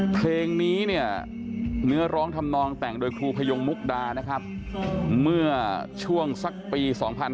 เพลงนี้เนี่ยเนื้อร้องทำนองแต่งโดยครูพยงมุกดานะครับเมื่อช่วงสักปี๒๕๕๙